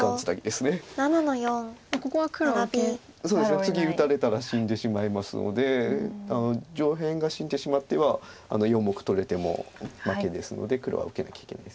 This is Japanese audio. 次打たれたら死んでしまいますので上辺が死んでしまってはあの４目取れても負けですので黒は受けなきゃいけないです。